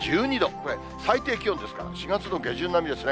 これ、最低気温ですから、４月の下旬並みですね。